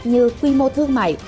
như quy mô thương mại